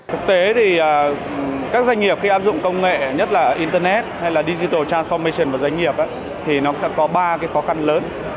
thực tế thì các doanh nghiệp khi áp dụng công nghệ nhất là internet hay là digital transomation vào doanh nghiệp thì nó sẽ có ba cái khó khăn lớn